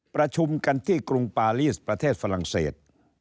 ประชุมกันที่กรุงปารีสประเทศฝรั่งเศส